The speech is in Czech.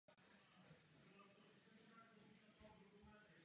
V praxi se však používal jen jeden název.